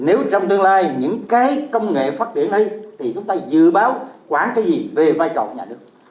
nếu trong tương lai những cái công nghệ phát triển hay thì chúng ta dự báo quản cái gì về vai trò nhà nước